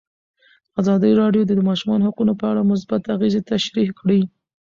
ازادي راډیو د د ماشومانو حقونه په اړه مثبت اغېزې تشریح کړي.